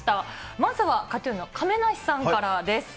まずはＫＡＴーＴＵＮの亀梨さんからです。